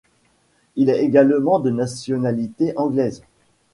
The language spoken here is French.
Il est également de nationalité anglaise.